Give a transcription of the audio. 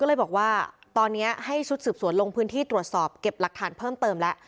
ก็เลยบอกว่าตอนนี้ให้ชุดสืบสวนลงพื้นที่ตรวจสอบเก็บหลักฐานเพิ่มเติมแล้ว